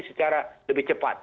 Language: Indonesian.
secara lebih cepat